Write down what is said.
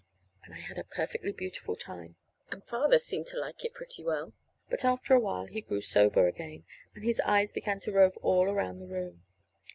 And I had a perfectly beautiful time. And Father seemed to like it pretty well. But after a while he grew sober again, and his eyes began to rove all around the room.